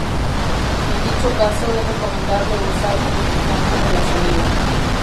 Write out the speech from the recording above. En dicho caso, es recomendable usar un lubricante o la saliva.